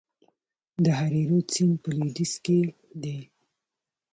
د هریرود سیند په لویدیځ کې دی